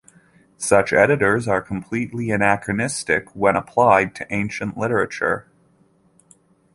Such editors are completely anachronistic when applied to ancient literature.